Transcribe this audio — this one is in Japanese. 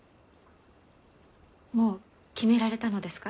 もう決められたのですか？